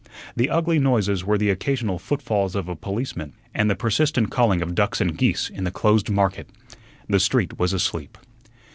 The ugly noises were the occasional footfalls of a policeman and the persistent calling of ducks and geese in the closed market. The street was asleep.